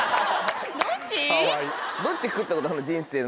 どっち食ったことあんの？